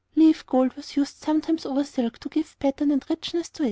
Leaf gold was used sometimes over silk to give pattern and richness to it.